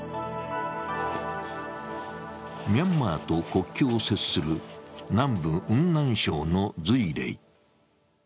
ミャンマーと国境を接する南部・雲南省の瑞麗。